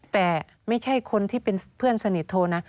แต่ไม่ใช่คนที่เป็นเพื่อนสนิทโทรนะ